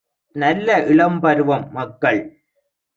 நல்ல இளம்பருவம் - மக்கள்